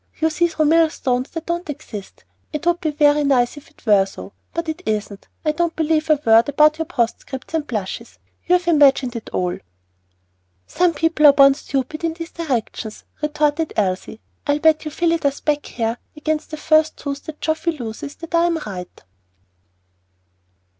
"You see through millstones that don't exist. It would be very nice if it were so, but it isn't. I don't believe a word about your postscripts and blushes; you've imagined it all." "Some people are born stupid in these directions," retorted Elsie. "I'll bet you Phillida's back hair against the first tooth that Geoffy loses that I am right."